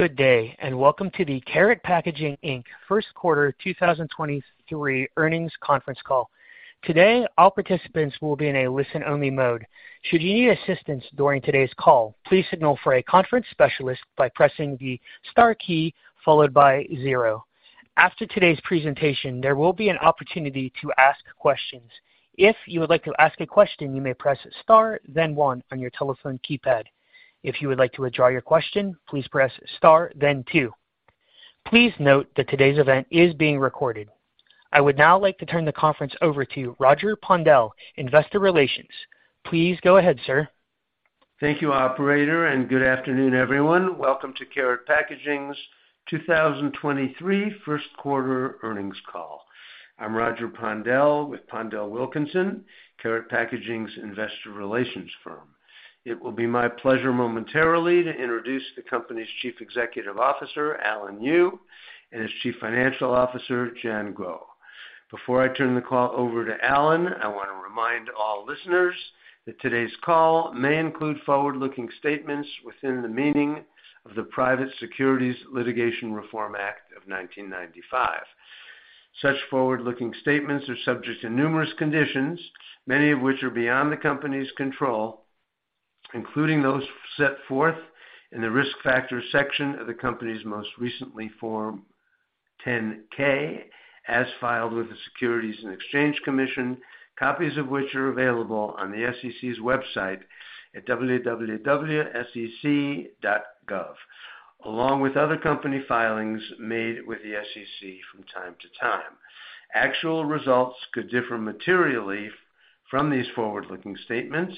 Good day, and welcome to the Karat Packaging Inc. First Quarter 2023 Earnings Conference Call. Today, all participants will be in a listen-only mode. Should you need assistance during today's call, please signal for a conference specialist by pressing the star key followed by zero. After today's presentation, there will be an opportunity to ask questions. If you would like to ask a question, you may press star then one on your telephone keypad. If you would like to withdraw your question, please press star then two. Please note that today's event is being recorded. I would now like to turn the conference over to Roger Pondel, investor relations. Please go ahead, sir. Thank you, operator, and good afternoon, everyone. Welcome to Karat Packaging's 2023 First Quarter Earnings Call. I'm Roger Pondel with PondelWilkinson Inc., Karat Packaging's investor relations firm. It will be my pleasure momentarily to introduce the company's Chief Executive Officer, Alan Yu, and his Chief Financial Officer, Jian Guo. Before I turn the call over to Alan, I want to remind all listeners that today's call may include forward-looking statements within the meaning of the Private Securities Litigation Reform Act of 1995. Such forward-looking statements are subject to numerous conditions, many of which are beyond the company's control, including those set forth in the Risk Factors section of the company's most recent Form 10-K as filed with the Securities and Exchange Commission, copies of which are available on the SEC's website at www.sec.gov, along with other company filings made with the SEC from time to time. Actual results could differ materially from these forward-looking statements.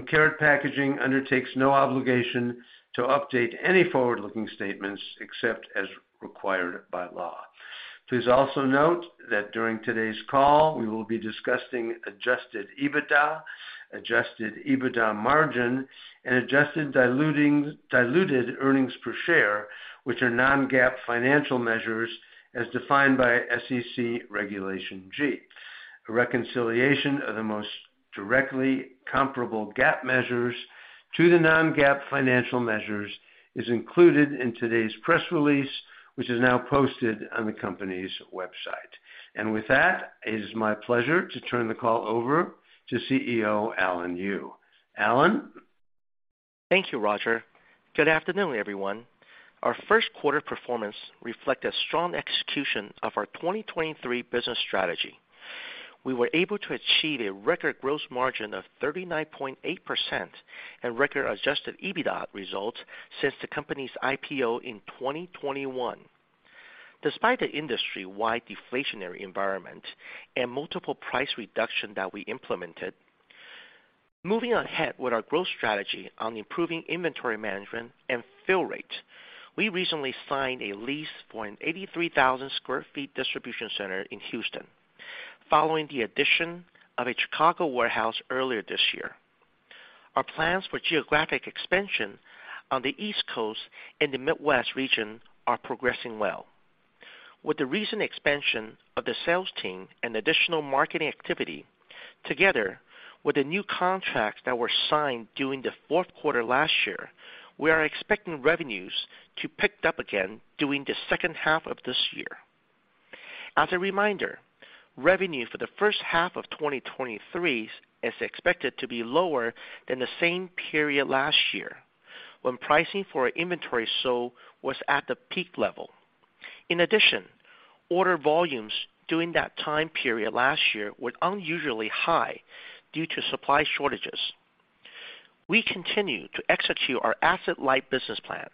Karat Packaging undertakes no obligation to update any forward-looking statements except as required by law. Please also note that during today's call, we will be discussing adjusted EBITDA, adjusted EBITDA margin, and adjusted diluted earnings per share, which are non-GAAP financial measures as defined by SEC Regulation G. A reconciliation of the most directly comparable GAAP measures to the non-GAAP financial measures is included in today's press release, which is now posted on the company's website. With that, it is my pleasure to turn the call over to CEO, Alan Yu. Alan? Thank you, Roger. Good afternoon, everyone. Our first quarter performance reflect a strong execution of our 2023 business strategy. We were able to achieve a record gross margin of 39.8% and record adjusted EBITDA results since the company's IPO in 2021. Despite the industry-wide deflationary environment and multiple price reduction that we implemented, moving ahead with our growth strategy on improving inventory management and fill rate, we recently signed a lease for an 83,000 sq ft distribution center in Houston following the addition of a Chicago warehouse earlier this year. Our plans for geographic expansion on the East Coast and the Midwest region are progressing well. With the recent expansion of the sales team and additional marketing activity, together with the new contracts that were signed during the fourth quarter last year, we are expecting revenues to pick up again during the second half of this year. As a reminder, revenue for the first half of 2023 is expected to be lower than the same period last year when pricing for our inventory sold was at the peak level. Order volumes during that time period last year were unusually high due to supply shortages. We continue to execute our asset-light business plan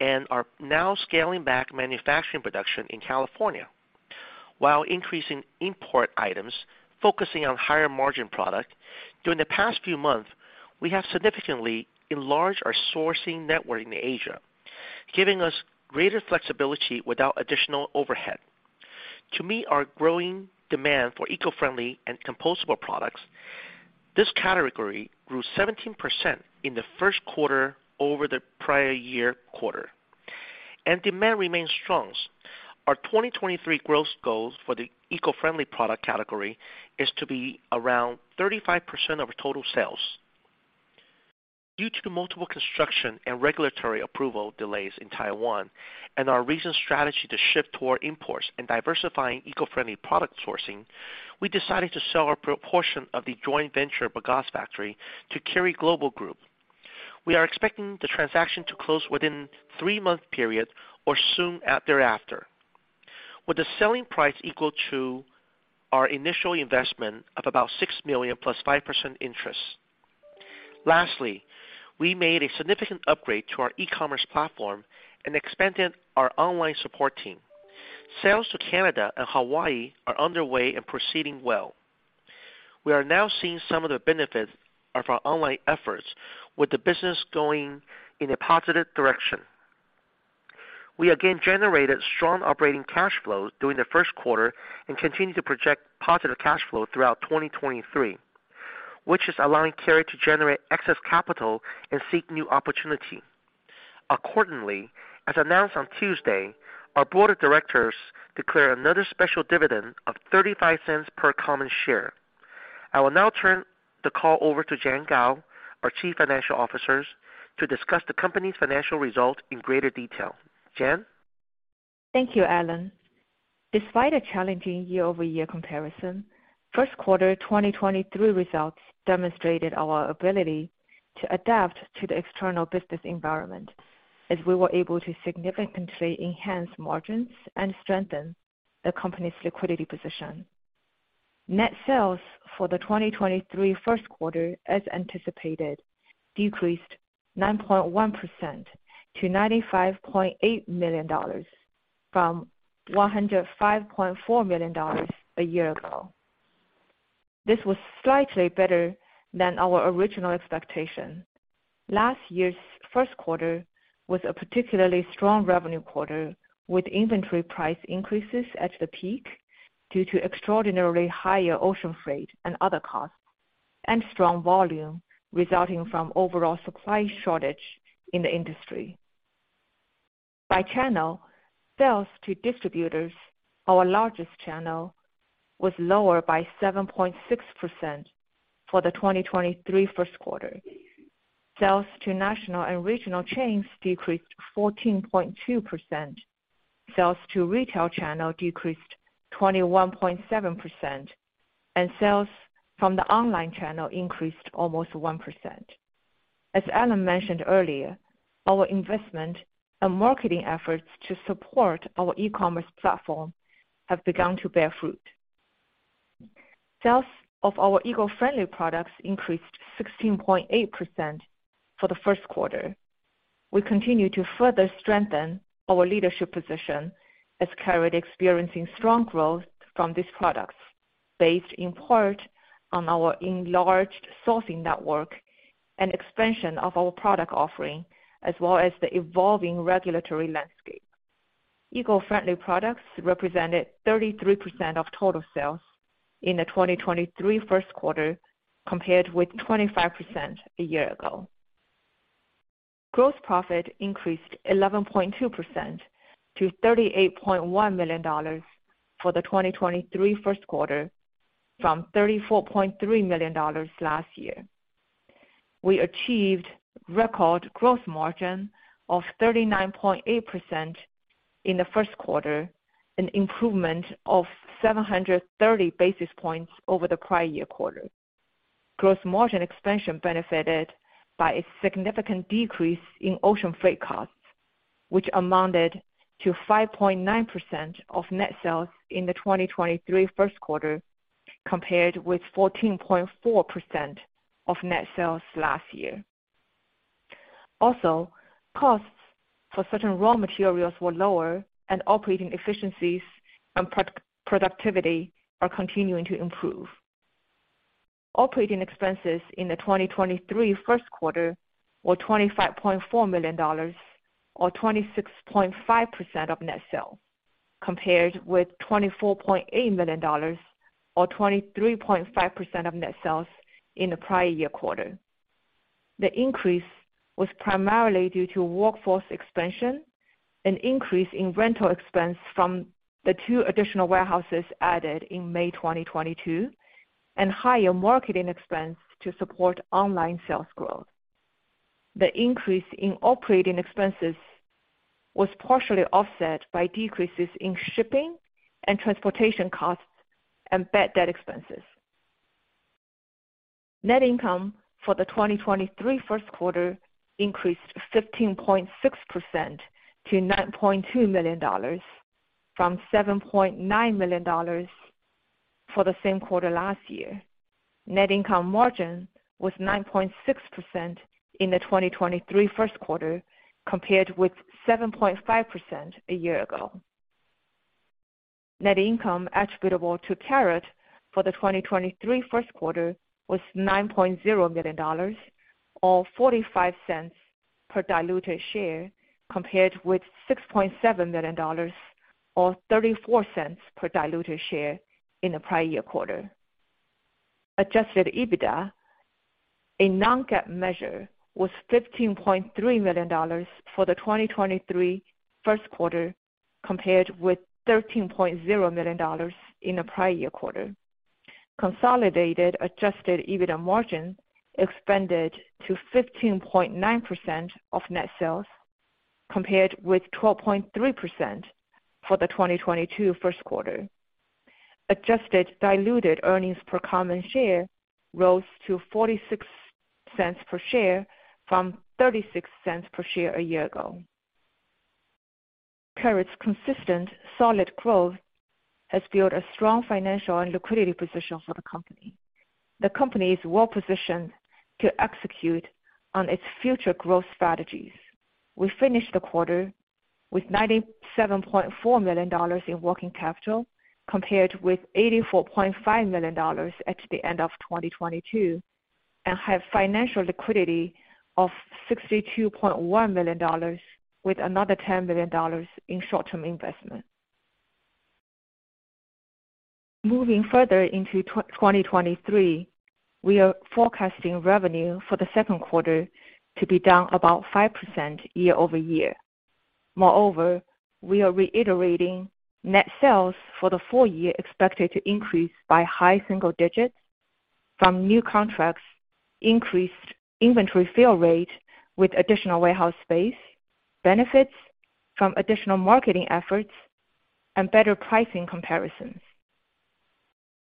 and are now scaling back manufacturing production in California while increasing import items, focusing on higher margin product. During the past few months, we have significantly enlarged our sourcing network in Asia, giving us greater flexibility without additional overhead. To meet our growing demand for eco-friendly and compostable products, this category grew 17% in the first quarter over the prior year quarter and demand remains strong. Our 2023 growth goal for the eco-friendly product category is to be around 35% of total sales. Due to multiple construction and regulatory approval delays in Taiwan and our recent strategy to shift toward imports and diversifying eco-friendly product sourcing, we decided to sell our proportion of the joint venture bagasse factory to Kerry Global Group. We are expecting the transaction to close within three-month period or soon thereafter. With the selling price equal to our initial investment of about $6 million plus 5% interest. Lastly, we made a significant upgrade to our e-commerce platform and expanded our online support team. Sales to Canada and Hawaii are underway and proceeding well. We are now seeing some of the benefits of our online efforts with the business going in a positive direction. We again generated strong operating cash flow during the first quarter and continue to project positive cash flow throughout 2023, which is allowing Karat to generate excess capital and seek new opportunity. Accordingly, as announced on Tuesday, our board of directors declared another special dividend of $0.35 per common share. I will now turn the call over to Jian Guo, our Chief Financial Officer, to discuss the company's financial results in greater detail. Jian? Thank you, Alan. Despite a challenging year-over-year comparison, first quarter 2023 results demonstrated our ability to adapt to the external business environment as we were able to significantly enhance margins and strengthen the company's liquidity position. Net sales for the 2023 first quarter, as anticipated, decreased 9.1% to $95.8 million from $105.4 million a year ago. This was slightly better than our original expectation. Last year's first quarter was a particularly strong revenue quarter, with inventory price increases at the peak due to extraordinarily higher ocean freight and other costs, and strong volume resulting from overall supply shortage in the industry. By channel, sales to distributors, our largest channel, was lower by 7.6% for the 2023 first quarter. Sales to national and regional chains decreased 14.2%. Sales to retail channel decreased 21.7%, and sales from the online channel increased almost 1%. As Alan mentioned earlier, our investment and marketing efforts to support our e-commerce platform have begun to bear fruit. Sales of our eco-friendly products increased 16.8% for the first quarter. We continue to further strengthen our leadership position as Karat is experiencing strong growth from these products, based in part on our enlarged sourcing network and expansion of our product offering, as well as the evolving regulatory landscape. Eco-friendly products represented 33% of total sales in the 2023 first quarter, compared with 25% a year ago. Gross profit increased 11.2% to $38.1 million for the 2023 first quarter from $34.3 million last year. We achieved record gross margin of 39.8% in the first quarter, an improvement of 730 basis points over the prior year quarter. Gross margin expansion benefited by a significant decrease in ocean freight costs, which amounted to 5.9% of net sales in the 2023 first quarter, compared with 14.4% of net sales last year. Costs for certain raw materials were lower and operating efficiencies and productivity are continuing to improve. Operating expenses in the 2023 first quarter were $25.4 million or 26.5% of net sales, compared with $24.8 million or 23.5% of net sales in the prior year quarter. The increase was primarily due to workforce expansion, an increase in rental expense from the two additional warehouses added in May 2022, and higher marketing expense to support online sales growth. The increase in operating expenses was partially offset by decreases in shipping and transportation costs and bad debt expenses. Net income for the 2023 first quarter increased 15.6% to $9.2 million from $7.9 million for the same quarter last year. Net income margin was 9.6% in the 2023 first quarter, compared with 7.5% a year ago. Net income attributable to Karat for the 2023 first quarter was $9.0 million or $0.45 per diluted share, compared with $6.7 million or $0.34 per diluted share in the prior year quarter. Adjusted EBITDA in non-GAAP measure was $15.3 million for the 2023 first quarter, compared with $13.0 million in the prior year quarter. Consolidated adjusted EBITDA margin expanded to 15.9% of net sales, compared with 12.3% for the 2022 first quarter. Adjusted diluted earnings per common share rose to $0.46 per share from $0.36 per share a year ago. Karat's consistent solid growth has built a strong financial and liquidity position for the company. The company is well positioned to execute on its future growth strategies. We finished the quarter with $97.4 million in working capital, compared with $84.5 million at the end of 2022, and have financial liquidity of $62.1 million with another $10 million in short-term investment. Moving further into 2023, we are forecasting revenue for the second quarter to be down about 5% year-over-year. We are reiterating net sales for the full year expected to increase by high single digits from new contracts, increased inventory fill rate with additional warehouse space, benefits from additional marketing efforts and better pricing comparisons.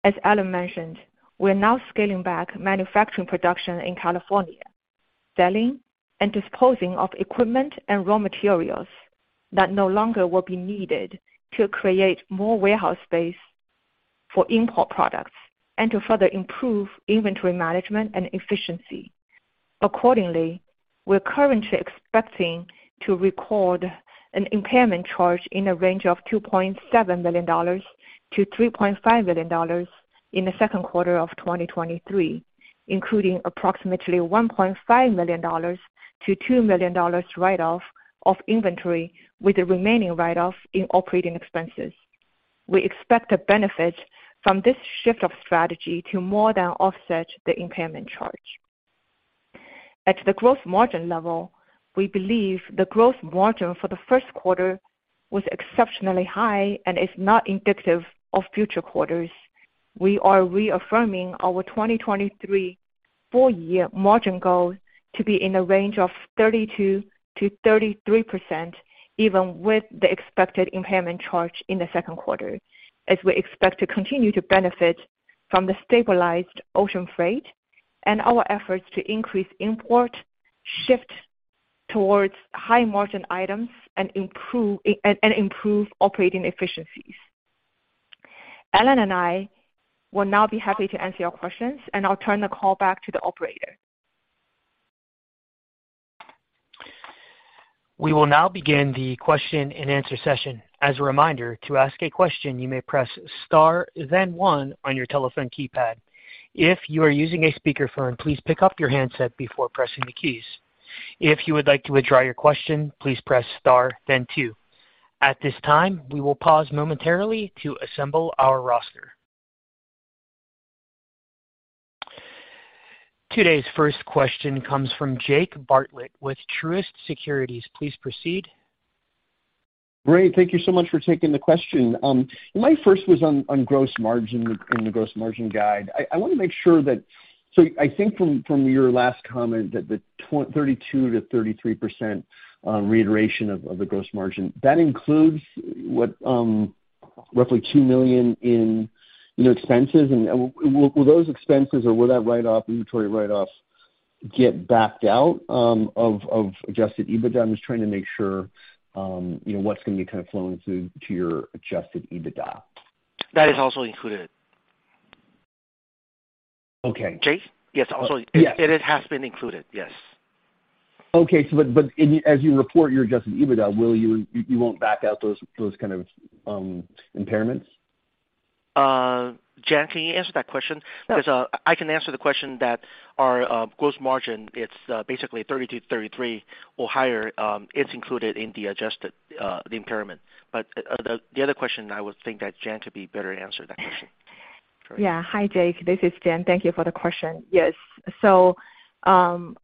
As Alan mentioned, we're now scaling back manufacturing production in California, selling and disposing of equipment and raw materials that no longer will be needed to create more warehouse space for import products and to further improve inventory management and efficiency. We're currently expecting to record an impairment charge in a range of $2.7 million-$3.5 million in the second quarter of 2023, including approximately $1.5 million-$2 million write-off of inventory with the remaining write-off in operating expenses. We expect the benefits from this shift of strategy to more than offset the impairment charge. At the gross margin level, we believe the gross margin for the first quarter was exceptionally high and is not indicative of future quarters. We are reaffirming our 2023 full year margin goal to be in a range of 32%-33%, even with the expected impairment charge in the second quarter, as we expect to continue to benefit from the stabilized ocean freight and our efforts to increase import, shift towards high margin items, and improve operating efficiencies. Alan and I will now be happy to answer your questions. I'll turn the call back to the operator. We will now begin the question and answer session. As a reminder, to ask a question, you may press star then one on your telephone keypad. If you are using a speakerphone, please pick up your handset before pressing the keys. If you would like to withdraw your question, please press star then two. At this time, we will pause momentarily to assemble our roster. Today's first question comes from Jake Bartlett with Truist Securities. Please proceed. Great. Thank you so much for taking the question. My first was on gross margin in the gross margin guide. I wanna make sure that I think from your last comment that the 32%-33% reiteration of the gross margin, that includes what, roughly $2 million in, you know, expenses. Will those expenses or will that write-off, inventory write-off get backed out of adjusted EBITDA? I'm just trying to make sure, you know, what's gonna be kind of flowing through to your adjusted EBITDA. That is also included. Okay. Jake? Yes. Also- Yes. It has been included. Yes. As you report your adjusted EBITDA, you won't back out those kind of impairments? Jian, can you answer that question? 'Cause, I can answer the question that our gross margin, it's, basically 32, 33 or higher, is included in the adjusted the impairment. The other question, I would think that Jian could be better answer that question. Hi, Jake. This is Jian. Thank you for the question.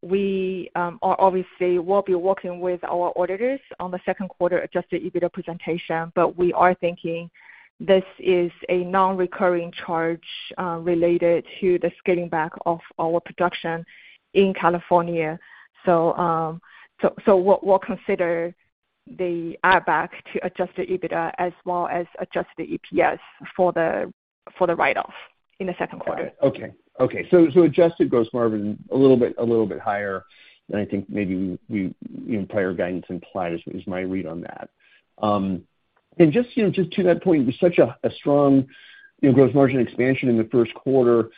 We are obviously will be working with our auditors on the second quarter adjusted EBITDA presentation, but we are thinking this is a non-recurring charge related to the scaling back of our production in California. We'll consider the add back to adjusted EBITDA as well as adjust the EPS for the write-off in the second quarter. Got it. Okay. Okay. Adjusted gross margin a little bit higher than I think maybe we your entire guidance implied is my read on that. Just, you know, just to that point, it was such a strong, you know, gross margin expansion in the first quarter.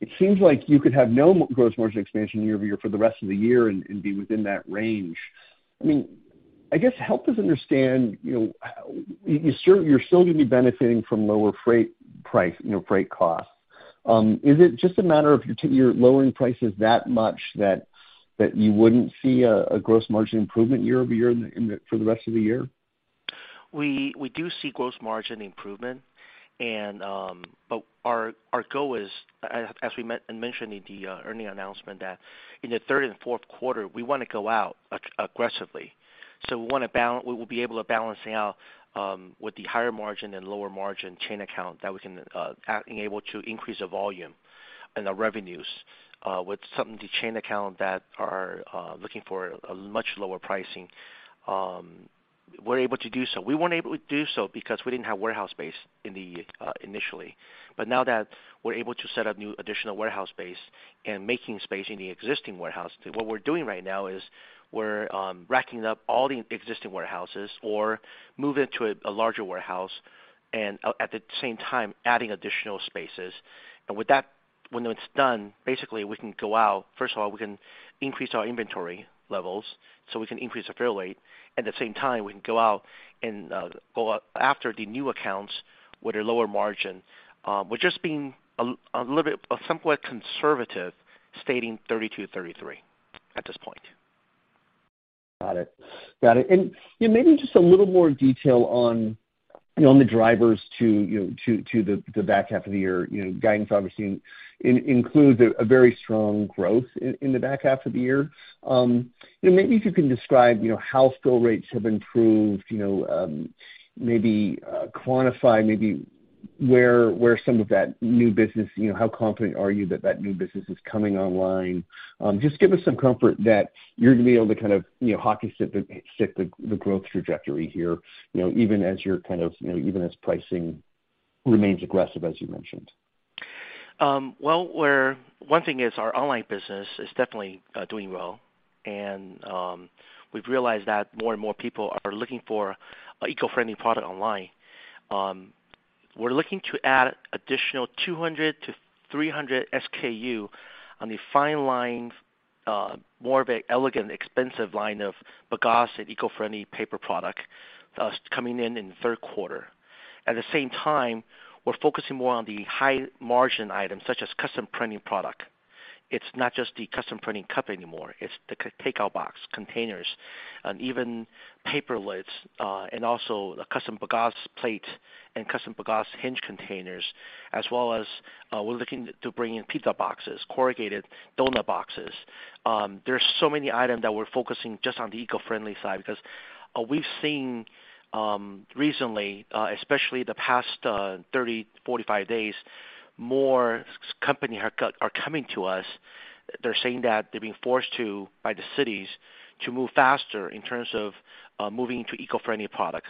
It seems like you could have no gross margin expansion year-over-year for the rest of the year and be within that range. I mean, I guess help us understand, you know, you're still gonna be benefiting from lower freight price, you know, freight costs? Is it just a matter of you're lowering prices that much that you wouldn't see a gross margin improvement year-over-year in the for the rest of the year? We do see gross margin improvement and, but our goal is, as we mentioned in the earnings announcement that in the third and fourth quarter, we wanna go out aggressively. We will be able to balancing out with the higher margin and lower margin chain account that we can being able to increase the volume and the revenues with some of the chain account that are looking for a much lower pricing, we're able to do so. We weren't able to do so because we didn't have warehouse space in the initially. Now that we're able to set up new additional warehouse space and making space in the existing warehouse, what we're doing right now is we're racking up all the existing warehouses or moving to a larger warehouse and at the same time adding additional spaces. With that, when it's done, basically we can go out. First of all, we can increase our inventory levels, so we can increase the fill rate. At the same time, we can go out and go out after the new accounts with a lower margin, which has been a little bit somewhat conservative, stating 32%, 33% at this point. Got it. Got it. Yeah, maybe just a little more detail on. You know, on the drivers to the back half of the year, you know, guidance obviously includes a very strong growth in the back half of the year. You know, maybe if you could describe, you know, how fill rates have improved, you know, maybe quantify where some of that new business, you know, how confident are you that that new business is coming online? Just give us some comfort that you're gonna be able to kind of, you know, hockey stick the growth trajectory here, you know, even as you're kind of, you know, even as pricing remains aggressive, as you mentioned. Well, one thing is our online business is definitely doing well, and we've realized that more and more people are looking for an eco-friendly product online. We're looking to add additional 200 to 300 SKU on the fine line, more of a elegant, expensive line of bagasse and eco-friendly paper product, coming in in the third quarter. At the same time, we're focusing more on the high margin items such as custom printing product. It's not just the custom printing cup anymore, it's the takeout box, containers, and even paper lids, and also the custom bagasse plate and custom bagasse hinge containers, as well as, we're looking to bring in pizza boxes, corrugated donut boxes. There are so many items that we're focusing just on the eco-friendly side, because we've seen recently, especially the past 30, 45 days, more company are coming to us. They're saying that they're being forced to, by the cities, to move faster in terms of moving to eco-friendly products.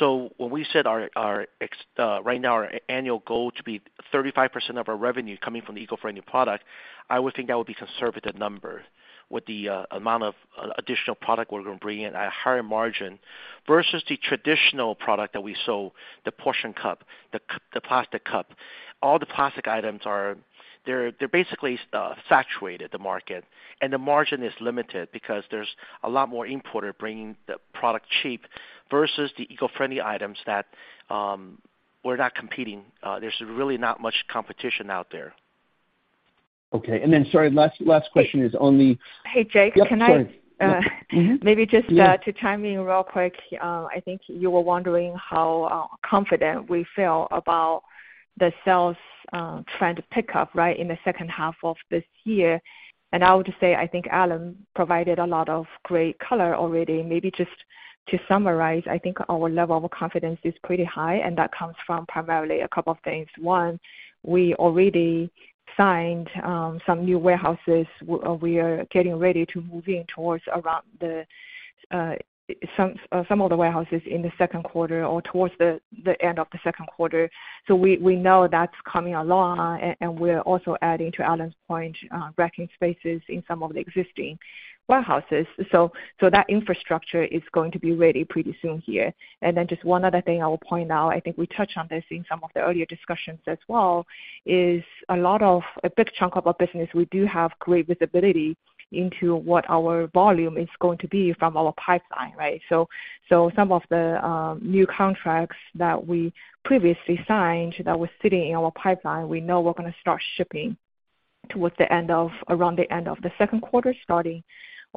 When we set our right now our annual goal to be 35% of our revenue coming from the eco-friendly product, I would think that would be conservative number with the amount of additional product we're gonna bring in at a higher margin versus the traditional product that we sold, the Portion Cup, the plastic cup. All the plastic items are... They're basically saturated the market. The margin is limited because there's a lot more importer bringing the product cheap versus the eco-friendly items that we're not competing. There's really not much competition out there. Okay. sorry, last question is on. Hey, Jake. Yep. Sorry. Uh. Mm-hmm. Maybe just to chime in real quick. I think you were wondering how confident we feel about the sales trend pick up, right? In the second half of this year. I would say, I think Alan provided a lot of great color already. Maybe just to summarize, I think our level of confidence is pretty high, and that comes from primarily a couple of things. One, we already signed some new warehouses we are getting ready to move in towards around the some of the warehouses in the second quarter or towards the end of the second quarter. We know that's coming along, and we're also adding, to Alan's point, racking spaces in some of the existing warehouses. So that infrastructure is going to be ready pretty soon here. Just one other thing I will point out, I think we touched on this in some of the earlier discussions as well, is a big chunk of our business, we do have great visibility into what our volume is going to be from our pipeline, right? Some of the new contracts that we previously signed that were sitting in our pipeline, we know we're gonna start shipping around the end of the second quarter, starting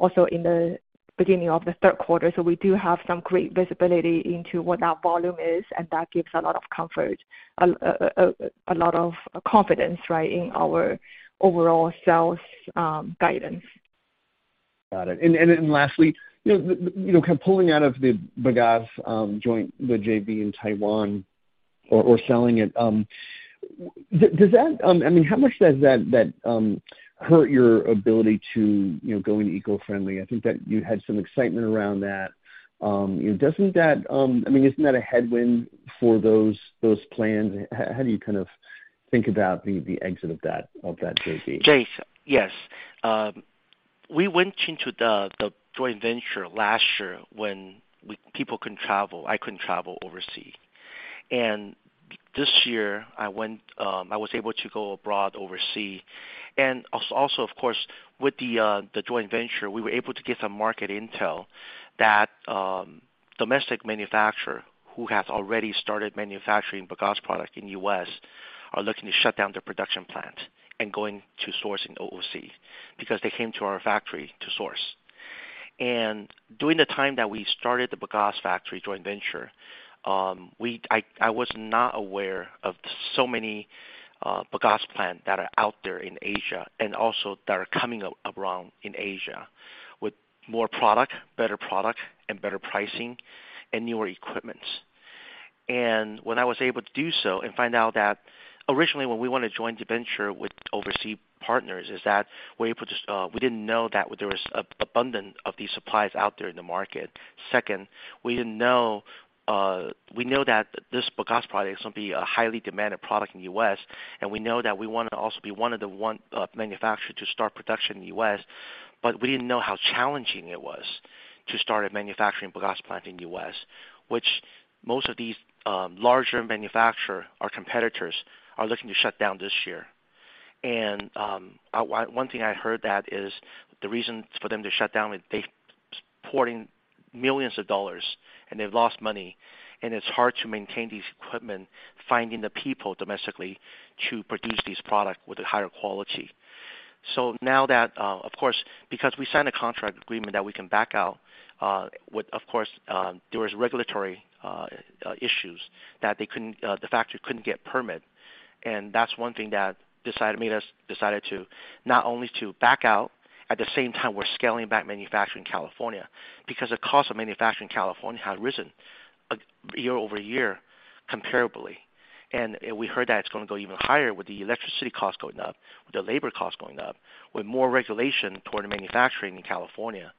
also in the beginning of the third quarter. We do have some great visibility into what our volume is, and that gives a lot of comfort, a lot of confidence, right, in our overall sales guidance. Got it. Then lastly, you know, you know, kind of pulling out of the bagasse joint, the JV in Taiwan or selling it, does that, I mean, how much does that hurt your ability to, you know, going eco-friendly? I think that you had some excitement around that. You know, doesn't that, I mean, isn't that a headwind for those plans? How do you kind of think about the exit of that JV? Jake? Yes. We went into the joint venture last year when people couldn't travel. I couldn't travel overseas. This year, I went, I was able to go abroad overseas. Also, of course, with the joint venture, we were able to get some market intel that domestic manufacturer who has already started manufacturing bagasse product in U.S. are looking to shut down their production plant and going to source in OOC, because they came to our factory to source. During the time that we started the bagasse factory joint venture, I was not aware of so many bagasse plant that are out there in Asia and also that are coming up around in Asia with more product, better product and better pricing and newer equipments. When I was able to do so and find out that originally when we wanna join the venture with overseas partners, we didn't know that there was abundant of these supplies out there in the market. Second, we didn't know, we know that this bagasse product is gonna be a highly demanded product in U.S., and we know that we wanna also be one of the manufacturer to start production in U.S. We didn't know how challenging it was to start a manufacturing bagasse plant in U.S., which most of these larger manufacturer or competitors are looking to shut down this year. One thing I heard that is the reason for them to shut down, they pouring millions of dollars and they've lost money, and it's hard to maintain these equipment, finding the people domestically to produce these products with a higher quality. Now that, of course, because we signed a contract agreement that we can back out, with of course, there was regulatory issues that they couldn't the factory couldn't get permit. That's one thing that decided made us decided to not only to back out, at the same time, we're scaling back manufacturing California because the cost of manufacturing California had risen year-over-year comparably. We heard that it's gonna go even higher with the electricity costs going up, with the labor costs going up, with more regulation toward manufacturing in California.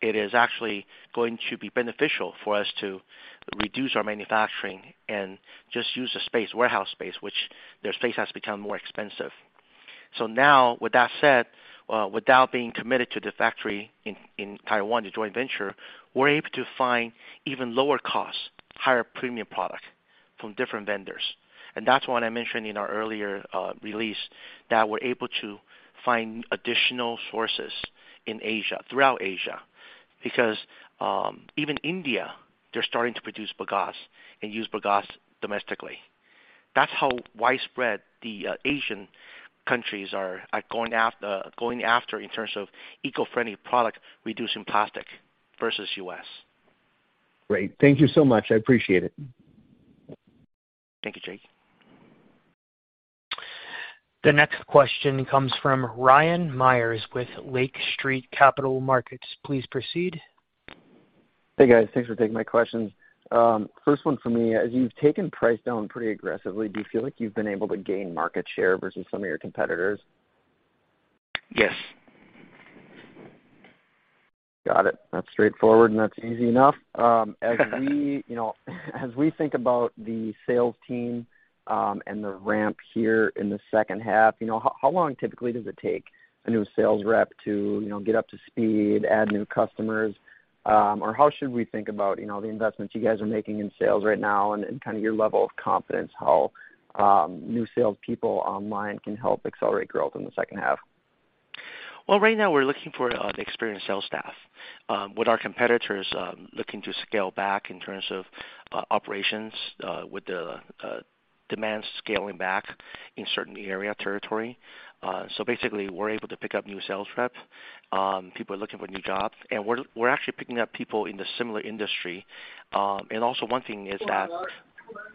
It is actually going to be beneficial for us to reduce our manufacturing and just use the space, warehouse space, which their space has become more expensive. Now with that said, without being committed to the factory in Taiwan, the joint venture, we're able to find even lower costs, higher premium product from different vendors. That's what I mentioned in our earlier release, that we're able to find additional sources in Asia, throughout Asia, because even India, they're starting to produce bagasse and use bagasse domestically. That's how widespread the Asian countries are going after in terms of eco-friendly product, reducing plastic versus U.S.. Great. Thank you so much. I appreciate it. Thank you, Jake. The next question comes from Ryan Meyers with Lake Street Capital Markets. Please proceed. Hey, guys. Thanks for taking my questions. First one for me, as you've taken price down pretty aggressively, do you feel like you've been able to gain market share versus some of your competitors? Yes. Got it. That's straightforward, and that's easy enough. As we you know, as we think about the sales team, and the ramp here in the second half, you know, how long typically does it take a new sales rep to, you know, get up to speed, add new customers? How should we think about, you know, the investments you guys are making in sales right now and kind of your level of confidence, how new salespeople online can help accelerate growth in the second half? Right now we're looking for the experienced sales staff. With our competitors looking to scale back in terms of operations, with the demand scaling back in certain area territory. Basically we're able to pick up new sales rep. People are looking for new jobs, we're actually picking up people in the similar industry. Also one thing is that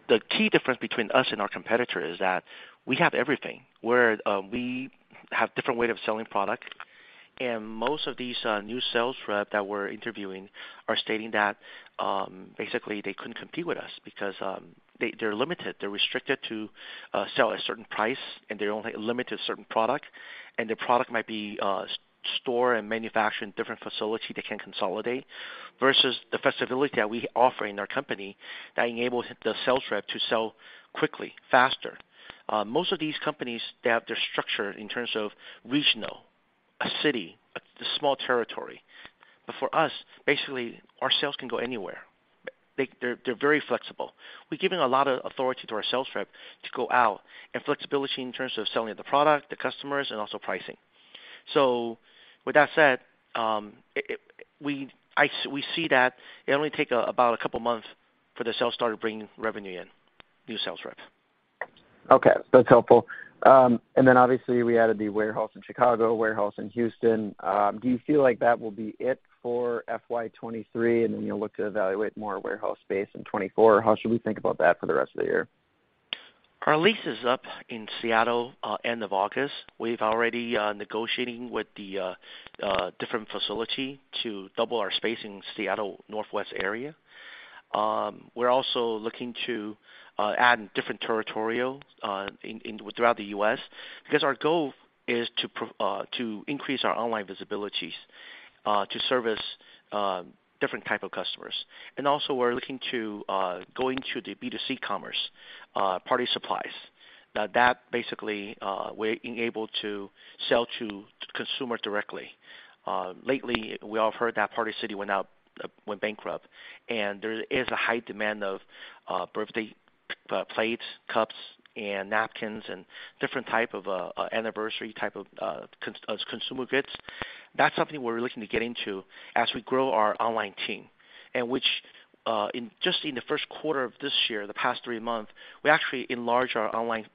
the key difference between us and our competitor is that we have everything where we have different way of selling product. Most of these new sales rep that we're interviewing are stating that basically they couldn't compete with us because they're limited. They're restricted to sell a certain price, and they only limited certain product. The product might be stored and manufactured in different facility they can consolidate versus the flexibility that we offer in our company that enables the sales rep to sell quickly, faster. Most of these companies, they have their structure in terms of regional, a city, a small territory. For us, basically our sales can go anywhere. They're very flexible. We're giving a lot of authority to our sales rep to go out and flexibility in terms of selling the product, the customers, and also pricing. With that said, we see that it only take about a couple of months for the sales starter to bring revenue in, new sales reps. Okay. That's helpful. Obviously we added the warehouse in Chicago, warehouse in Houston. Do you feel like that will be it for FY 2023, and then you'll look to evaluate more warehouse space in 2024? How should we think about that for the rest of the year? Our lease is up in Seattle, end of August. We've already negotiating with the different facility to double our space in Seattle northwest area. We're also looking to add different territorial throughout the U.S. because our goal is to increase our online visibilities to service different type of customers. Also we're looking to go into the B2C commerce, party supplies. Now that basically, we're being able to sell to consumers directly. Lately, we all heard that Party City went bankrupt, and there is a high demand of birthday plates, cups, and napkins and different type of anniversary type of consumer goods. That's something we're looking to get into as we grow our online team. Which, in just in the first quarter of this year, the past three months, we actually enlarge our online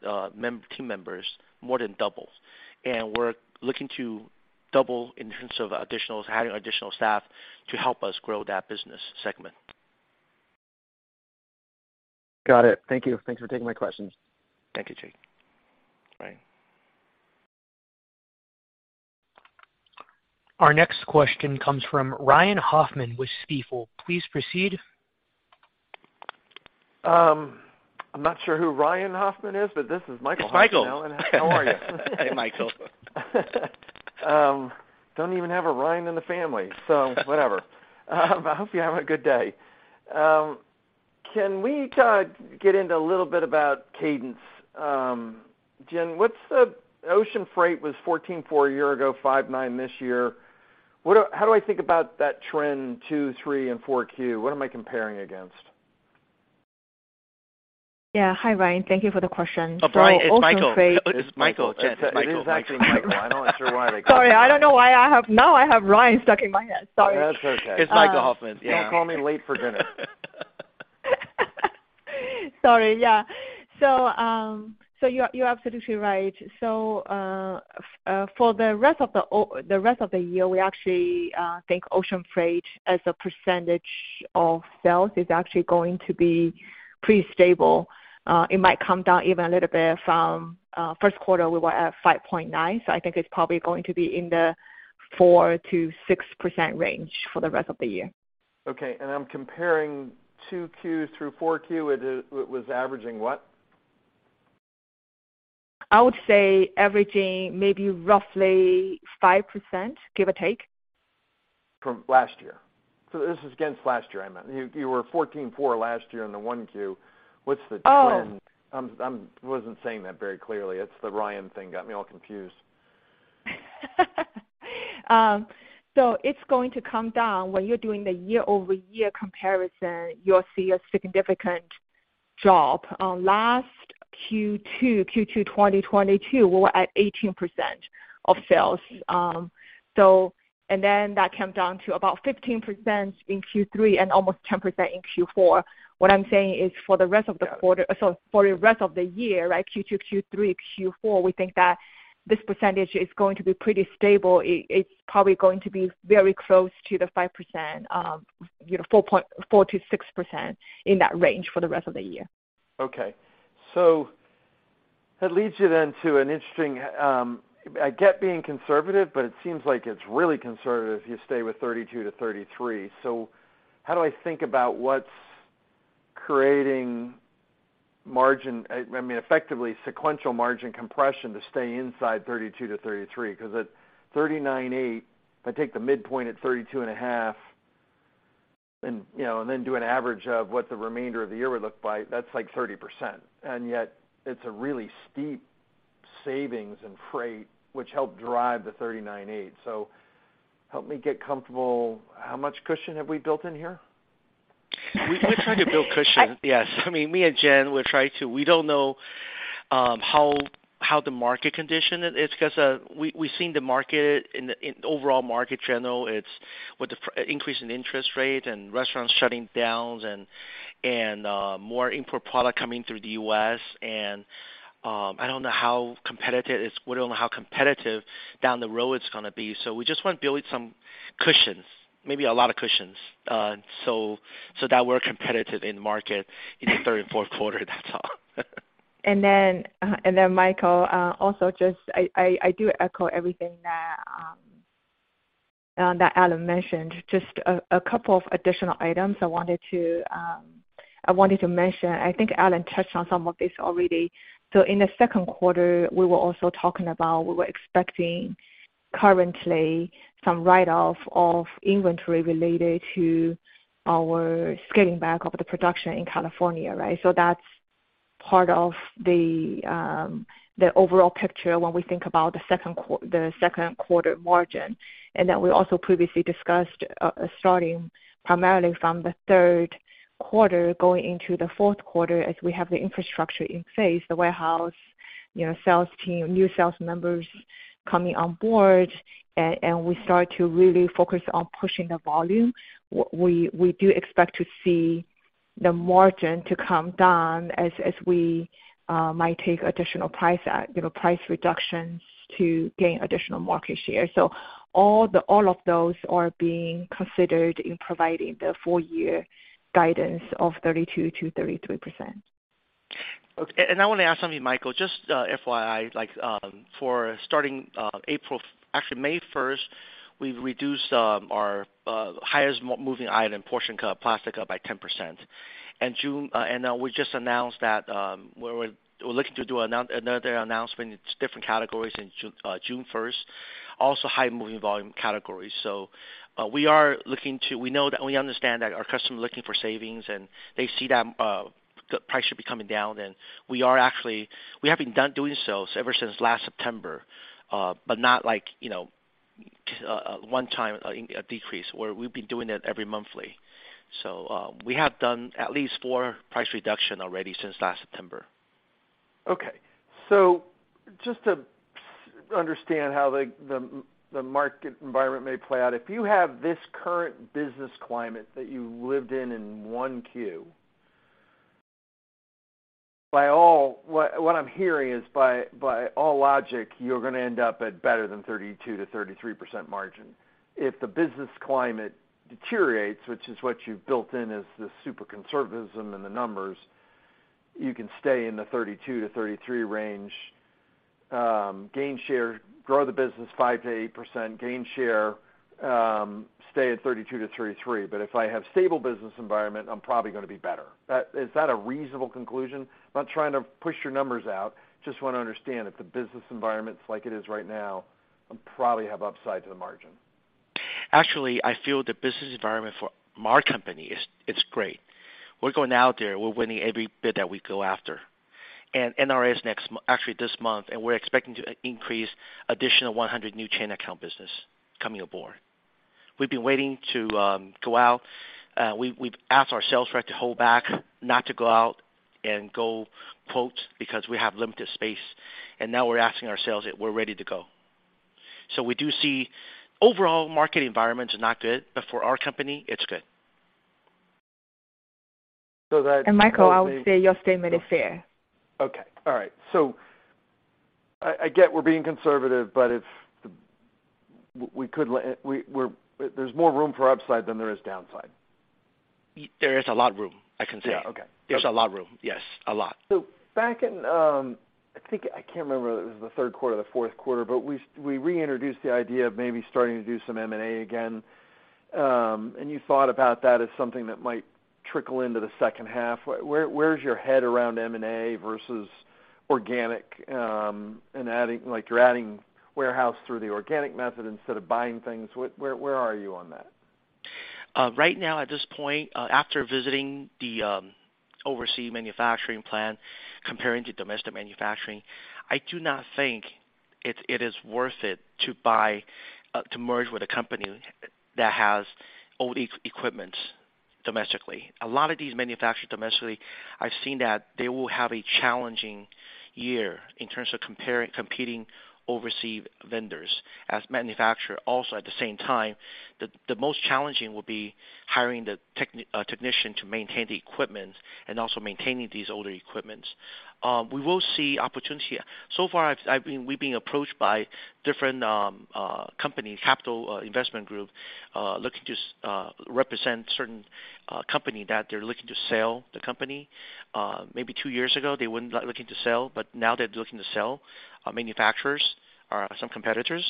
team members more than double. We're looking to double in terms of additionals, adding additional staff to help us grow that business segment. Got it. Thank you. Thanks for taking my questions. Thank you, Jake. Bye. Our next question comes from Ryan Hoffman with Stifel. Please proceed. I'm not sure who Ryan Hoffman is. This is Michael Hoffman. It's Michael. How are you? Hey, Michael. Don't even have a Ryan in the family, so whatever. I hope you're having a good day. Can we get into a little bit about cadence? Jian, what's the ocean freight was $14.4 a year ago, $5.9 this year. How do I think about that trend two, three, and 4Q? What am I comparing against? Yeah. Hi, Ryan. Thank you for the question. Oh, Ryan? It's Michael. It's Michael. It's Michael. It is actually Michael. I'm not sure why they got me. Sorry. I don't know why I have... Now I have Ryan stuck in my head. Sorry. That's okay. It's Michael Hoffman. Yeah. You can't call me late for dinner. Sorry. Yeah. You're absolutely right. For the rest of the year, we actually, think ocean freight as a percentage of sales is actually going to be pretty stable. It might come down even a little bit from, first quarter, we were at 5.9. I think it's probably going to be in the 4%-6% range for the rest of the year. Okay. I'm comparing 2Q through 4Q. It was averaging what? I would say averaging maybe roughly 5%, give or take. From last year. This is against last year, I meant. You were $14.4 last year in the 1Q. What's the trend? Oh. I'm wasn't saying that very clearly. It's the Ryan thing got me all confused. It's going to come down. When you're doing the year-over-year comparison, you'll see a significant drop. On last Q2 2022, we were at 18% of sales. And then that came down to about 15% in Q3 and almost 10% in Q4. What I'm saying is for the rest of the quarter. Sorry, for the rest of the year, right, Q2, Q3, Q4, we think that this percentage is going to be pretty stable. It's probably going to be very close to the 5%, you know, 4-6% in that range for the rest of the year. Okay. That leads you then to an interesting, I get being conservative, but it seems like it's really conservative if you stay with 32%-33%. How do I think about what's creating margin, I mean, effectively sequential margin compression to stay inside 32%-33%? 'Cause at 39.8%, if I take the midpoint at 32.5% and, you know, and then do an average of what the remainder of the year would look like, that's like 30%. Yet it's a really steep savings in freight, which helped drive the 39.8%. Help me get comfortable. How much cushion have we built in here? We try to build cushion. Yes. I mean, me and Jian Guo, we don't know how the market condition is because we've seen the market in the overall market general, it's with the increase in interest rate and restaurants shutting down and more import product coming through the U.S. I don't know how competitive it's. We don't know how competitive down the road it's gonna be. We just want to build some cushions, maybe a lot of cushions, so that we're competitive in the market in the third and fourth quarter, that's all. Then Michael, also just I do echo everything that Alan mentioned. Just a couple of additional items I wanted to mention. I think Alan touched on some of this already. In the second quarter, we were also talking about we were expecting currently some write-off of inventory related to our scaling back of the production in California, right? That's part of the overall picture when we think about the second quarter margin. We also previously discussed starting primarily from the third quarter, going into the fourth quarter, as we have the infrastructure in place, the warehouse, you know, sales team, new sales members coming on board and we start to really focus on pushing the volume. We do expect to see the margin to come down as we might take additional price, you know, price reductions to gain additional market share. All of those are being considered in providing the full year guidance of 32%-33%. Okay. I wanna ask something, Michael. Just, FYI, like, for starting April, actually May first, we've reduced our highest moving item, Portion Cup plastic, by 10%. June, we just announced that we're looking to do another announcement. It's different categories in June first, also high moving volume categories. We know that and we understand that our customers are looking for savings, and they see that the price should be coming down, and we are actually. We have been done doing so ever since last September, but not like, you know, one time, in, a decrease. We've been doing it every monthly. We have done at least four price reduction already since last September. Okay. Just to understand how the market environment may play out. If you have this current business climate that you lived in in 1Q, What I'm hearing is by all logic, you're gonna end up at better than 32%-33% margin. If the business climate deteriorates, which is what you've built in as the super conservatism in the numbers, you can stay in the 32%-33% range, gain share, grow the business 5%-8%, gain share, stay at 32%-33%. If I have stable business environment, I'm probably gonna be better. Is that a reasonable conclusion? I'm not trying to push your numbers out. Just wanna understand if the business environment's like it is right now, I'll probably have upside to the margin. Actually, I feel the business environment for our company is, it's great. We're going out there, we're winning every bid that we go after. NRA is next actually this month, and we're expecting to increase additional 100 new chain account business coming aboard. We've been waiting to go out. We've asked our sales rep to hold back, not to go out and go quote because we have limited space, and now we're asking our sales that we're ready to go. We do see overall market environment is not good, but for our company it's good. So that- Michael, I would say your statement is fair. Okay. All right. I get we're being conservative, but there's more room for upside than there is downside. There is a lot room, I can say. Yeah. Okay. There's a lot room. Yes, a lot. Back in, I think I can't remember whether it was the third quarter or the fourth quarter, we reintroduced the idea of maybe starting to do some M&A again. You thought about that as something that might trickle into the second half. Where's your head around M&A versus organic, and adding like you're adding warehouse through the organic method instead of buying things. Where are you on that? Right now, at this point, after visiting the overseas manufacturing plant, comparing to domestic manufacturing, I do not think it is worth it to merge with a company that has old equipments domestically. A lot of these manufacturers domestically, I've seen that they will have a challenging year in terms of competing overseas vendors as manufacturer. At the same time, the most challenging will be hiring the technician to maintain the equipment and also maintaining these older equipments. We will see opportunity. So far, we've been approached by different company capital investment group, looking to represent certain company that they're looking to sell the company. Maybe two years ago, they wouldn't like looking to sell, but now they're looking to sell manufacturers or some competitors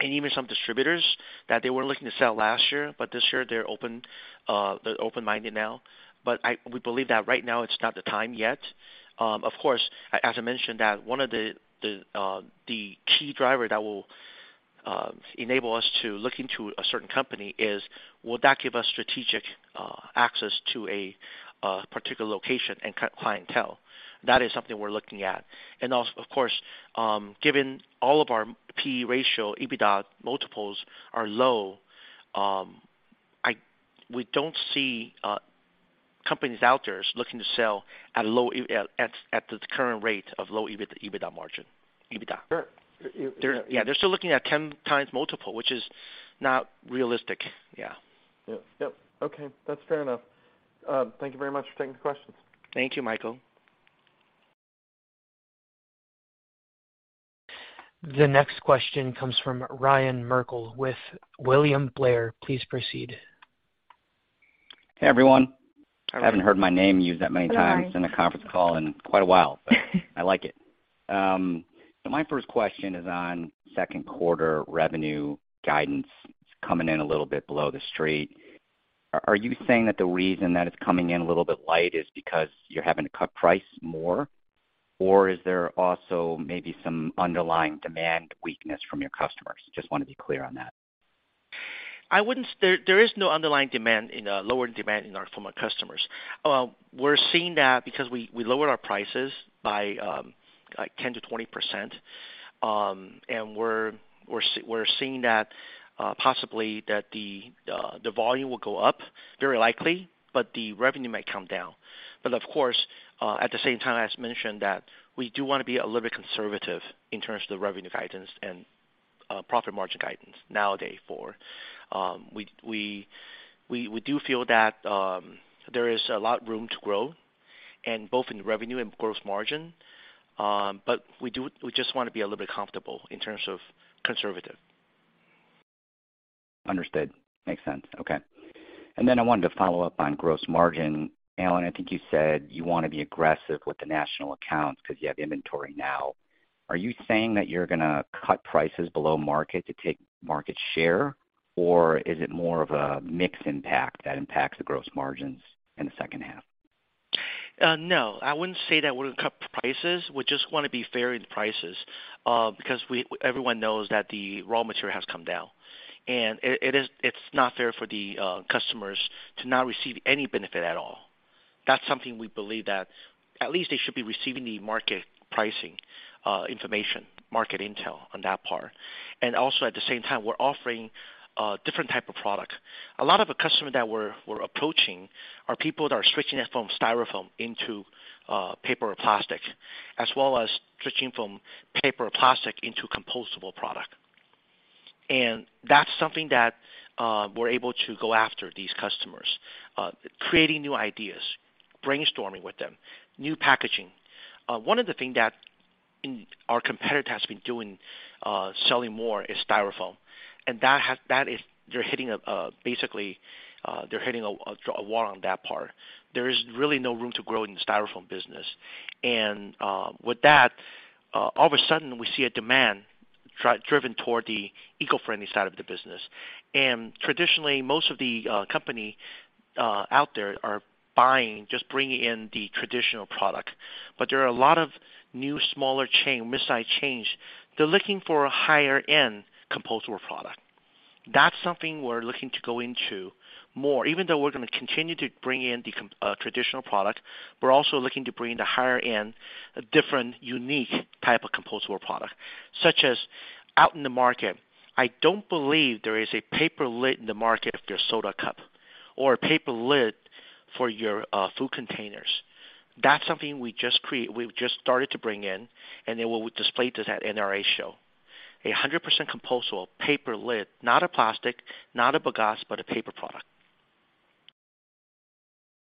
and even some distributors that they weren't looking to sell last year, but this year they're open, they're open-minded now. We believe that right now is not the time yet. Of course, as I mentioned that one of the key driver that will enable us to look into a certain company is, will that give us strategic access to a particular location and clientele? That is something we're looking at. Also of course, given all of our P/E ratio, EBITDA multiples are low, we don't see companies out there looking to sell at low EBITDA margin. EBITDA. Sure. Yeah. They're still looking at 10x multiple, which is not realistic. Yeah. Yeah. Yep. Okay. That's fair enough. Thank you very much for taking the questions. Thank you, Michael. The next question comes from Ryan Merkel with William Blair. Please proceed. Hey, everyone. I haven't heard my name used that many times. Hello, Ryan. -in a conference call in quite a while. I like it. My first question is on second quarter revenue guidance. It's coming in a little bit below the street. Are you saying that the reason that it's coming in a little bit light is because you're having to cut price more? Is there also maybe some underlying demand weakness from your customers? Just wanna be clear on that. I wouldn't. There is no underlying demand in lower demand from our customers. We're seeing that because we lowered our prices by like 10%-20%. We're seeing that possibly that the volume will go up very likely, but the revenue may come down. Of course, at the same time, as mentioned, that we do wanna be a little bit conservative in terms of the revenue guidance and profit margin guidance nowadays for. We do feel that there is a lot room to grow and both in revenue and gross margin. We just wanna be a little bit comfortable in terms of conservative. Understood. Makes sense. Okay. I wanted to follow up on gross margin. Alan, I think you said you wanna be aggressive with the national accounts 'cause you have inventory now. Are you saying that you're gonna cut prices below market to take market share, or is it more of a mix impact that impacts the gross margins in the second half? No, I wouldn't say that we're gonna cut prices. We just wanna be fair in the prices because everyone knows that the raw material has come down, and it's not fair for the customers to not receive any benefit at all. That's something we believe that at least they should be receiving the market pricing information, market intel on that part. At the same time, we're offering a different type of product. A lot of the customer that we're approaching are people that are switching it from styrofoam into paper or plastic, as well as switching from paper or plastic into compostable product. That's something that we're able to go after these customers, creating new ideas, brainstorming with them, new packaging. One of the thing that our competitor has been doing, selling more is styrofoam, and that is they're hitting basically, a wall on that part. There is really no room to grow in the styrofoam business. With that, all of a sudden, we see a demand driven toward the eco-friendly side of the business. Traditionally, most of the company out there are buying, just bringing in the traditional product. There are a lot of new smaller chain, mid-size chains, they're looking for a higher end compostable product. That's something we're looking to go into more. Even though we're gonna continue to bring in the traditional product, we're also looking to bring in the higher end, different, unique type of compostable product, such as out in the market, I don't believe there is a paper lid in the market of your soda cup or a paper lid for your food containers. That's something we've just started to bring in. Then we'll display this at NRA show. 100% compostable paper lid, not a plastic, not a bagasse, but a paper product.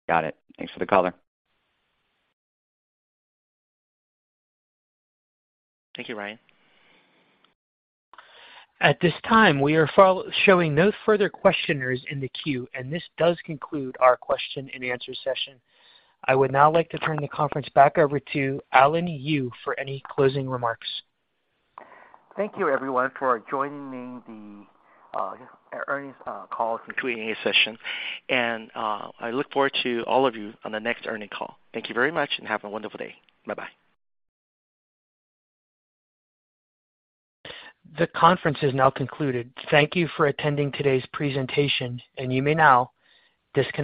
Got it. Thanks for the color. Thank you, Ryan. At this time, we are showing no further questioners in the queue. This does conclude our question-and-answer session. I would now like to turn the conference back over to Alan Yu for any closing remarks. Thank you everyone for joining me the earnings call Q&A session. I look forward to all of you on the next earnings call. Thank you very much. Have a wonderful day. Bye-bye. The conference is now concluded. Thank you for attending today's presentation, and you may now disconnect.